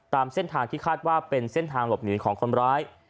ตามเส้นทางที่คาดว่าเป็นเส้นทางหลบหนีของคนร้าย